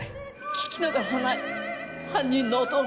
聞き逃さない犯人の音を。